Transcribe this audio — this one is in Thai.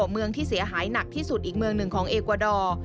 เมืองที่เสียหายหนักที่สุดอีกเมืองหนึ่งของเอกวาดอร์